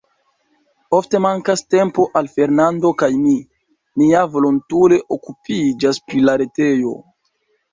Ofte mankas tempo al Fernando kaj mi; ni ja volontule okupiĝas pri la retejo.